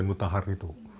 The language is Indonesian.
yang menutahar itu